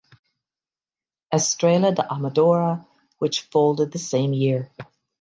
Estrela da Amadora which folded the same year.